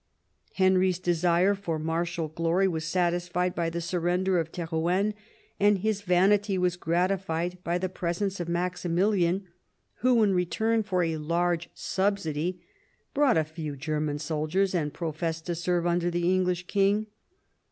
Henry's desire for martial glory was satisfied by the surrender of Terouenne, and his vanity was gratified by the presence of Maximilian, who in return for a large subsidy brought a few German soldiers, and professed to serve under the English king.